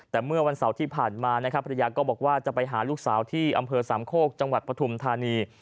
แต่เมื่อวันเสาร์ที่ผ่านมานะครับภรรยาก็บอกว่าจะไปหาลูกสาวที่อำเภอสามโคกจังหวัดปฐุมธานี